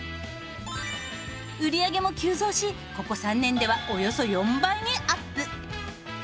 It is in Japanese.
売り上げも急増しここ３年ではおよそ４倍にアップ。